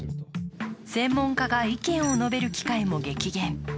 専門家が意見を述べる機会も激減。